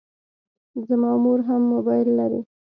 زما مور هم موبایل لري.